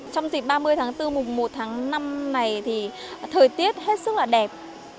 trong dịp ba mươi tháng bốn mùng một tháng năm này thì thời tiết hết sức là đẹp